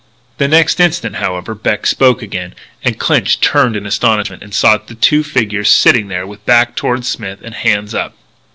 The next instant, however, Beck spoke again, and Clinch turned in astonishment and saw the two figures sitting there with backs toward Smith and hands up.